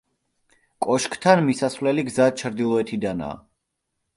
კოშკთან მისასვლელი გზა ჩრდილოეთიდანაა.